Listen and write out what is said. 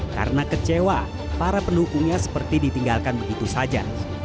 karena kecewa para pendukungnya seperti ditinggalkan begitu saja